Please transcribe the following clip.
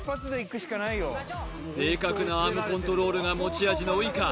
正確なアームコントロールが持ち味のウイカ